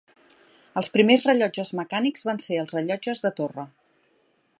Els primers rellotges mecànics van ser els rellotges de torre.